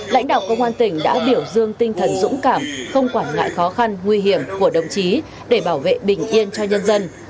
lãnh đạo công an tỉnh đã biểu dương tinh thần dũng cảm không quản ngại khó khăn nguy hiểm của đồng chí để bảo vệ bình yên cho nhân dân